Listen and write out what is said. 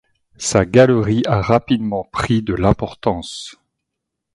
Sa galerie a rapidement pris de l'importance.